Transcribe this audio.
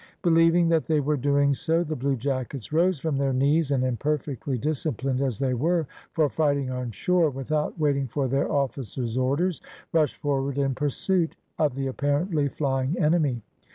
Believing that they were doing so, the bluejackets rose from their knees, and imperfectly disciplined as they were for fighting on shore, without waiting for their officer's orders, rushed forward in pursuit of the apparently flying enemy.